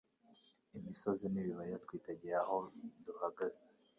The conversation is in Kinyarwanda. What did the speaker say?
imisozi n'ibibaya twitegeye aho duhagaze